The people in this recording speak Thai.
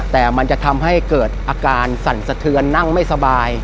แต่มันจะทำให้เกิดอาการสั่นสะเทือนนั่งไม่สบาย